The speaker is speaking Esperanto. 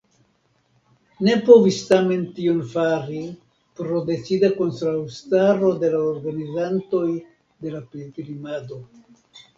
Ne povis tamen tion fari pro decida kontraŭstaro de la organizantoj de la pilgrimado.